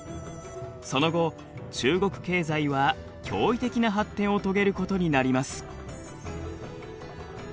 その後中国経済は驚異的な発展を遂げることになります。